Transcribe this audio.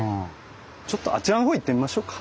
ちょっとあちらのほう行ってみましょうか。